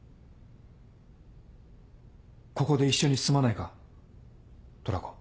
ここで一緒に住まないかトラコ。